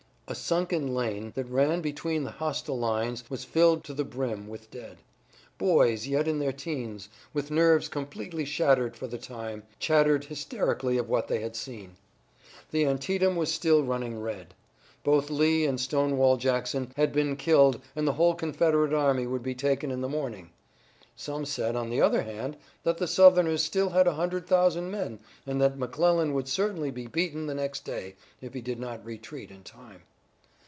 A sunken lane that ran between the hostile lines was filled to the brim with dead. Boys, yet in their teens, with nerves completely shattered for the time, chattered hysterically of what they had seen. The Antietam was still running red. Both Lee and Stonewall Jackson had been killed and the whole Confederate army would be taken in the morning. Some said, on the other hand, that the Southerners still had a hundred thousand men, and that McClellan would certainly be beaten the next day, if he did not retreat in time.